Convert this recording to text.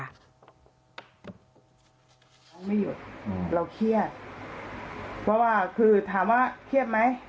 น้องไม่หยุดเราเครียดเพราะว่าคือถามว่าเครียดไหม